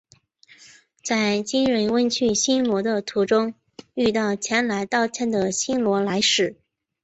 在金仁问去新罗的途中遇到前来道歉的新罗来使。